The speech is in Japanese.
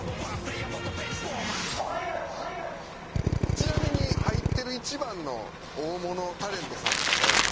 ちなみに入ってる一番の大物タレントさんとかは誰ですか？